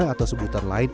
atau sebutan lain